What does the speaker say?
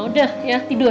udah ya tidur